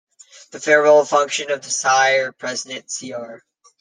At a farewell function the Shire President, Cr.